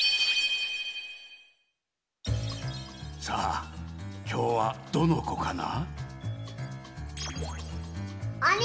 さあきょうはどのこかな？